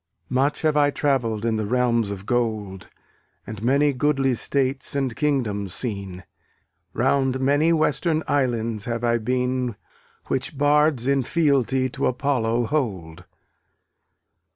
Much have I travell'd in the realms of gold, And many goodly states and kingdoms seen; Round many western islands have I been Which bards in fealty to Apollo hold.